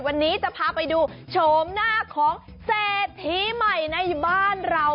วันนี้จะพาไปดูโฉมหน้าของเศรษฐีใหม่ในบ้านเรา